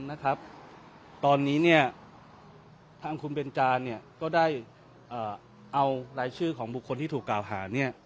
นะครับตอนนี้เนี่ยทางคุณเบนจาเนี่ยก็ได้เอารายชื่อของบุคคลที่ถูกกล่าวหาเนี่ย